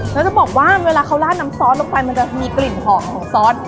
แล้วจะบอกว่าเวลาเขาลาดน้ำซอสลงไปมันจะมีกลิ่นหอมของซอส